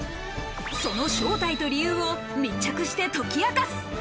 その正体と理由を密着して解き明かす。